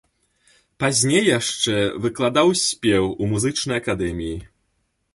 Пазней яшчэ выкладаў спеў у музычнай акадэміі.